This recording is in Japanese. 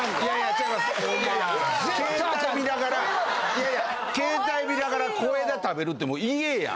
いやいや携帯見ながら小枝食べるって。